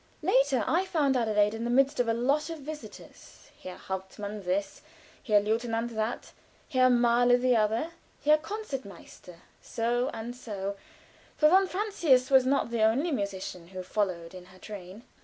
Later I found Adelaide in the midst of a lot of visitors Herr Hauptmann This, Herr Lieutenant That, Herr Maler The Other, Herr Concertmeister So and So for von Francius was not the only musician who followed in her train.